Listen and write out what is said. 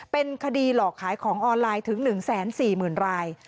เป็นคดีหลอกขายของออนไลน์ถึง๑๔๐๐๐ราย